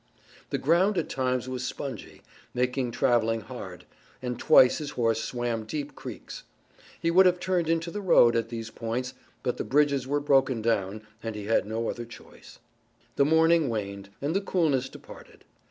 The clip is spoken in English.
The ground at times was spongy, making traveling hard, and twice his horse swam deep creeks. He would have turned into the road at these points but the bridges were broken down and he had no other choice. The morning waned, and the coolness departed.